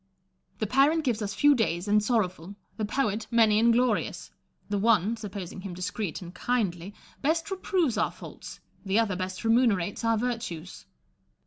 The parent gives us few days and sorrowful ; tlie poet, many and glorious : the one (supposing him discreet and kindly) best reproves our faults; the other best remunerates our virtues.